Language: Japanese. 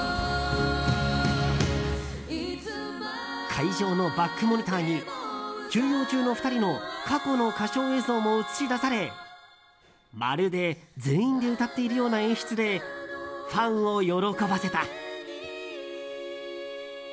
会場のバックモニターに休養中の２人の過去の歌唱映像も映し出されまるで全員で歌っているような演出でファンを喜ばせた。